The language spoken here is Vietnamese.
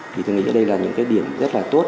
thì tôi nghĩ đây là những cái điểm rất là tốt